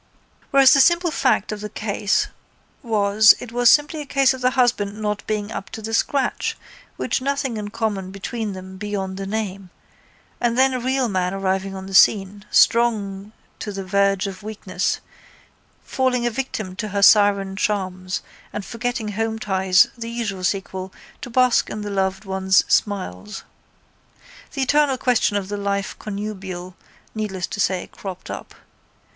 Whereas the simple fact of the case was it was simply a case of the husband not being up to the scratch, with nothing in common between them beyond the name, and then a real man arriving on the scene, strong to the verge of weakness, falling a victim to her siren charms and forgetting home ties, the usual sequel, to bask in the loved one's smiles. The eternal question of the life connubial, needless to say, cropped up.